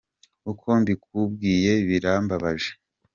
Uko mbikubwiye birambabaje.